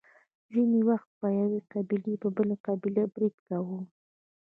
ځینې وخت به یوې قبیلې په بله قبیله برید کاوه.